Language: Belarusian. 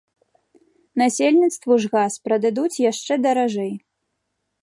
Насельніцтву ж газ прададуць яшчэ даражэй.